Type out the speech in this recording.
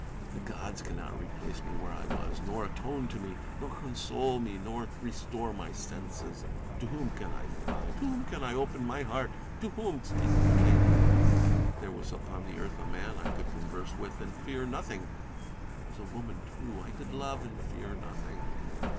The gods cannot replace me where I was, nor atone to me, nor console me, nor restore my senses. To whom can I fly ; to whom can I open my heart ; to whom speak plainly ? There was upon the earth a man I could converse with, and fear nothing ; there was a woman, too, I could love, and fear nothing.